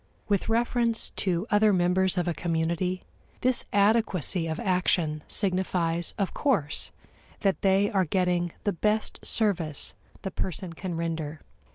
With reference to other members of a community, this adequacy of action signifies, of course, that they are getting the best service the person can render.